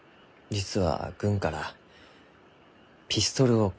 実は軍からピストルを買ってこいと。